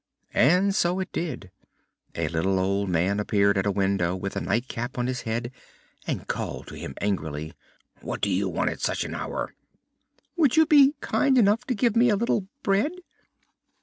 And so it did. A little old man appeared at a window with a night cap on his head and called to him angrily: "What do you want at such an hour?" "Would you be kind enough to give me a little bread?"